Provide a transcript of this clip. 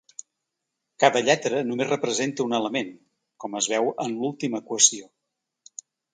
Cada lletra només representa un element: com es veu en l’última equació.